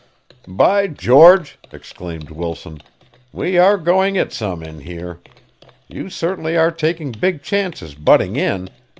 "By George!" exclaimed Wilson, "we are going it some in here. You certainly are taking big chances butting in.